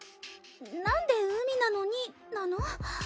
なんで「海なのに」なの？